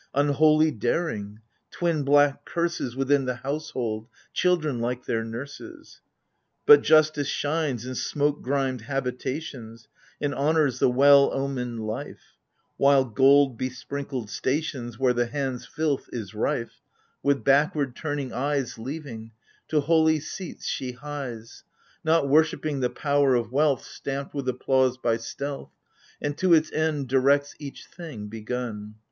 Unholy Daring — twin black Curses Within the household, children like their nurses. But Justice shines in smoke grimed habitations, And honors the well omened life ; While, — gold besprinkled stations Where the hands' filth is rife, 64 AGAMEMNON: With backward turning eyes Leaving, — to holy seats she hies, Not worshipping the power of weaUh Stamped with applause by stealth : And to its end directs each thing begun.